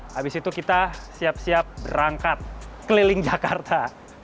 habis itu kita siap siap berangkat keliling jakarta